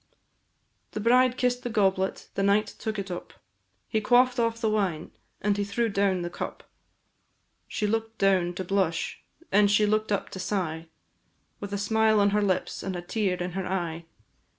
The bride kiss'd the goblet; the knight took it up, He quaff'd off the wine, and he threw down the cup; She look'd down to blush, and she look'd up to sigh, With a smile on her lips, and a tear in her eye.